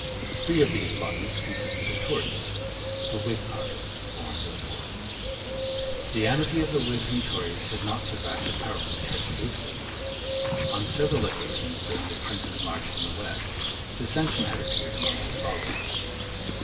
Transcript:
Three of these bodies consisted of Tories. The Whig party formed the fourth. The amity of the Whigs and Tories had not survived the peril which had produced it. On several occasions, during the Prince's march from the West, dissension had appeared among his followers.